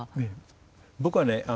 僕はね